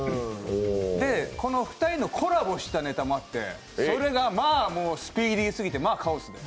で、この２人のコラボしたネタもあってそれがまあ、もうスピーディーすぎて、カオス。